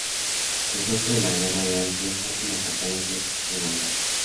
La suerte de la guerra era incierta y la campaña se prolongaba.